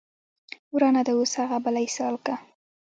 ورانه ده اوس هغه بلۍ سالکه